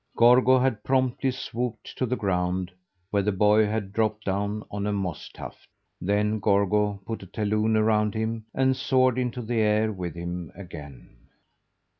Gorgo had promptly swooped to the ground, where the boy had dropped down on a moss tuft. Then Gorgo put a talon around him and soared into the air with him again.